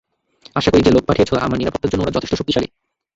আশা করি যে লোক পাঠিয়েছ আমার নিরাপত্তার জন্য ওরা যথেষ্ট শক্তিশালী?